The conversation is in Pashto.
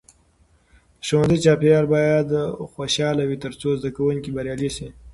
د ښوونځي چاپیریال باید خوشحاله وي ترڅو زده کوونکي بریالي سي.